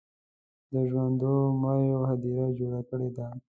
د ژوندو مړیو هدیره جوړه کړې ده.